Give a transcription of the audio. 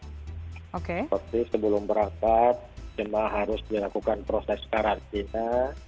seperti sebelum berangkat jemaah harus dilakukan proses karantina